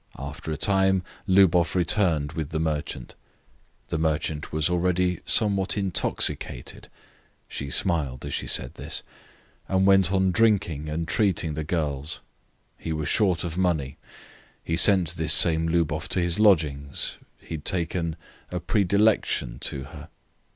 After a time Lubov returned with the merchant. The merchant was already somewhat intoxicated she smiled as she said this and went on drinking and treating the girls. He was short of money. He sent this same Lubov to his lodgings. He had taken a "predilection" to her.